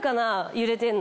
揺れてんの。